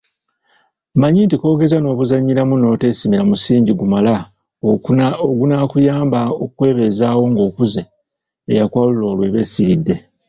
Manya nti k'ogeza n'obuzanyiramu n'oteesimira musingi gumala ogunaakuyamba okwebeezaawo ng'okuze eyakwalula olwo eba esiridde.